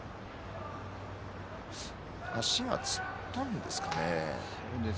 足がつったんですかね。